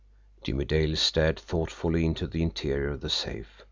Jimmie Dale stared thoughtfully into the interior of the safe.